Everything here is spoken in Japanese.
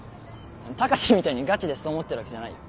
貴志みたいにガチでそう思ってるわけじゃないよ。